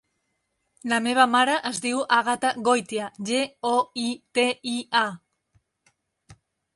La meva mare es diu Àgata Goitia: ge, o, i, te, i, a.